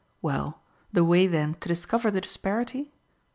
Well, the way then to discover the disparity?